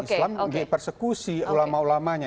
islam di persekusi ulama ulamanya